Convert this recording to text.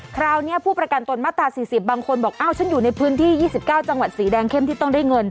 คราวนี้ผู้ประกันตนมาตรา๔๐บางคนบอกอ้าวฉันอยู่ในพื้นที่๒๙จังหวัดสีแดงเข้มที่ต้องได้เงิน